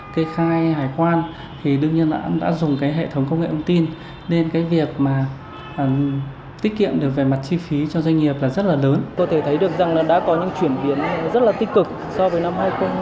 doanh nghiệp này đánh giá rất là tích cực so với năm hai nghìn một mươi năm